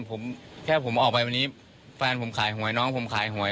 ผมแค่ผมออกไปวันนี้แฟนผมขายหวยน้องผมขายหวย